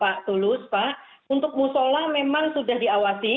jadi pak tulus pak untuk musola memang sudah diawasi